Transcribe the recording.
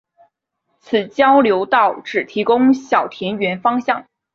此交流道只提供小田原方向。